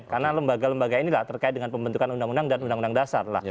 karena lembaga lembaga inilah terkait dengan pembentukan undang undang dan undang undang dasar